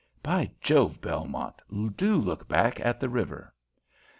By Jove, Belmont, do look back at the river."